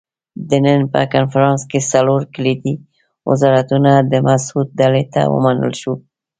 د بُن په کنفرانس کې څلور کلیدي وزارتونه د مسعود ډلې ته ومنل شول.